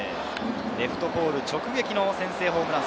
レフトポール直撃の先制ホームラン。